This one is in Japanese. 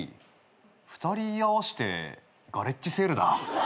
２人合わしてガレッジセールだ。